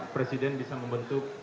presiden bisa membentuk